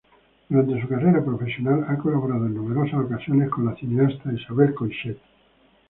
Durante su carrera profesional ha colaborado en numerosas ocasiones con la cineasta Isabel Coixet.